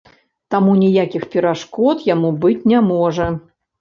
Таму ніякіх перашкод яму быць не можа.